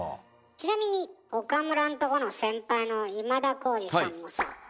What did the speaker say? ちなみに岡村んとこの先輩の今田耕司さんはさえ？